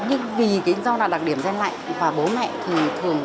nhưng vì do đặc điểm gian nặng và bố mẹ thì thường